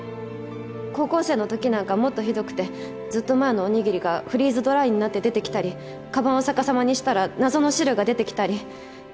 高校生の時なんかはもっとひどくてずっと前のおにぎりがフリーズドライになって出てきたりかばんを逆さまにしたら謎の汁が出てきたり。